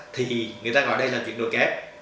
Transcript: thì người ta gọi đây là chuyển đổi kép